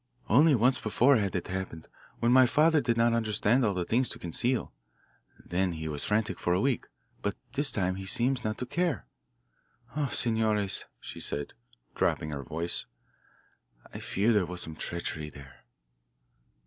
Only once before had it happened, when my father did not understand all the things to conceal. Then he was frantic for a week. But this time he seems not to care. Ah, senores," she said, dropping her voice, "I fear there was some treachery there."